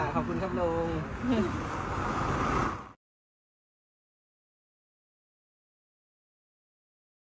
ขอบคุณครับโรง